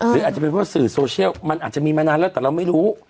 หรืออาจจะเป็นเพราะสื่อโซเชียลมันอาจจะมีมานานแล้วแต่เราไม่รู้